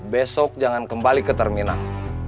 besok jangan kembali ke terminal